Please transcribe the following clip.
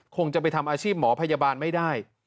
คงจะไปทำอาชีพหมอพยาบาลไม่ได้